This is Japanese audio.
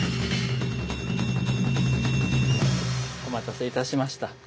お待たせいたしました。